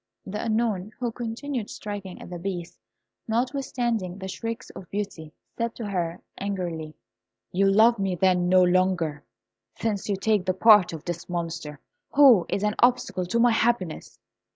The Unknown, who continued striking at the Beast, notwithstanding the shrieks of Beauty, said to her, angrily, "You love me, then, no longer, since you take the part of this Monster, who is an obstacle to my happiness!"